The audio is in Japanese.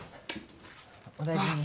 お大事に。